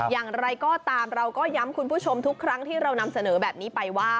อย่างไรก็ตามเราก็ย้ำคุณผู้ชมทุกครั้งที่เรานำเสนอแบบนี้ไปว่า